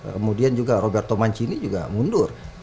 kemudian juga roberto mancini juga mundur